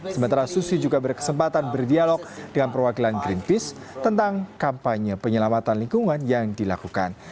sementara susi juga berkesempatan berdialog dengan perwakilan greenpeace tentang kampanye penyelamatan lingkungan yang dilakukan